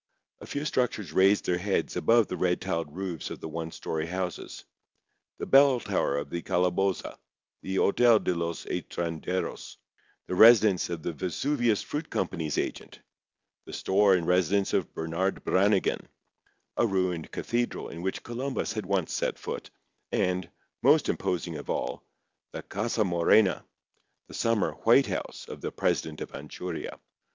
A few structures raised their heads above the red tiled roofs of the one story houses—the bell tower of the Calaboza, the Hotel de los Estranjeros, the residence of the Vesuvius Fruit Company's agent, the store and residence of Bernard Brannigan, a ruined cathedral in which Columbus had once set foot, and, most imposing of all, the Casa Morena—the summer "White House" of the President of Anchuria.